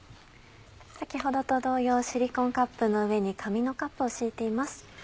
先ほどと同様シリコンカップの上に紙のカップを敷いています。